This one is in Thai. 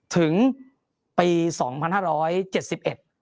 ถึงปี๒๕๗๑